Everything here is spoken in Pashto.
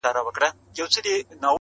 د يوسفي ښکلا چيرمنې نوره مه راگوره؛